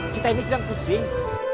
kita ini sedang pusing